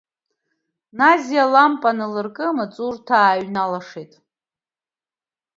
Назиа алампа аналыркы, амаҵурҭа ааҩналашеит.